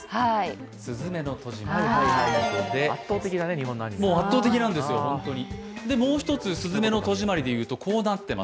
「すずめの戸締まり」ということで、圧倒的なんですよ、本当に。